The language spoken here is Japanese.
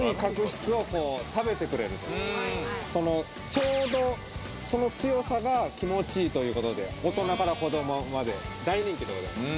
ちょうどその強さが気持ちいいということで、大人から子供まで大人気でございます。